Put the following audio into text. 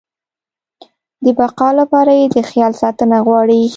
د بقا لپاره يې د خیال ساتنه غواړي.